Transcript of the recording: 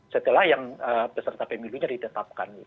setelah yang peserta pemilunya ditetapkan